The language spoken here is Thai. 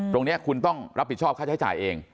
ตรงนี้คุณต้องรับผิดชอบค่าใช้จ่ายเอง